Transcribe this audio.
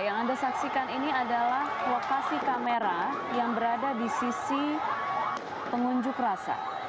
yang anda saksikan ini adalah lokasi kamera yang berada di sisi pengunjuk rasa